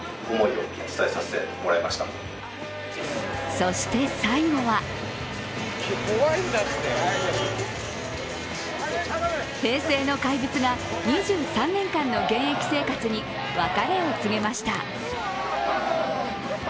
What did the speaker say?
そして、最後は平成の怪物が２３年間の現役生活に別れを告げました。